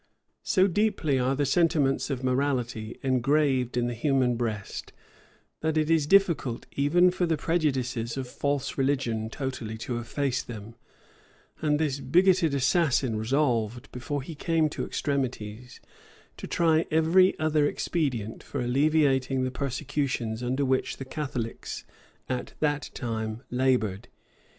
So deeply are the sentiments of morality engraved in the human breast, that it is difficult even for the prejudices of false religion totally to efface them; and this bigoted assassin resolved, before he came to extremities, to try every other expedient for alleviating the persecutions under which the Catholics at that time labored.